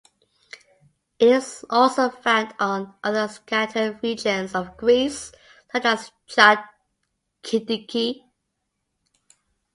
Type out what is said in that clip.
It is also found on other scattered regions of Greece such as Chalkidiki.